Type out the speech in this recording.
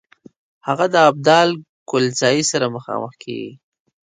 هغه د ابدال کلزايي سره مخامخ کیږي.